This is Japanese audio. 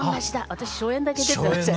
私初演だけ出てまして。